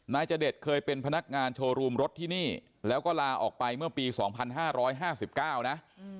จเดชเคยเป็นพนักงานโชว์รูมรถที่นี่แล้วก็ลาออกไปเมื่อปี๒๕๕๙นะ